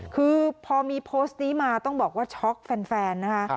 คือพอมีโพสต์นี้มาต้องบอกว่าช็อกแฟนนะคะ